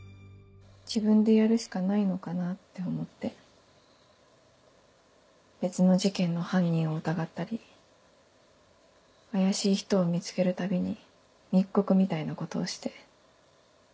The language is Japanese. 自分でやるしかないのかなって思って別の事件の犯人を疑ったり怪しい人を見つけるたびに密告みたいなことをして。